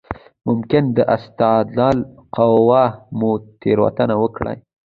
ممکن د استدلال قوه مو تېروتنه وکړي.